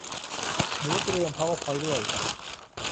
หนูเตรียม พาวเวอร์พอยท์ ด้วย